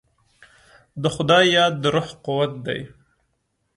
د خدای یاد د روح قوت دی.